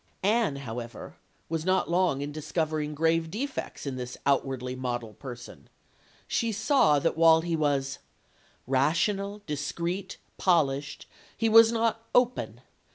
Anne, however, was not long in discovering grave defects in this outwardly model person. She saw that while he was "rational, discreet, polished, he was not open.